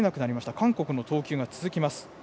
韓国の投球が続きます。